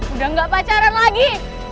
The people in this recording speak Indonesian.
udah gak pacaran lagi